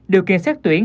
điều kiện xét tuyển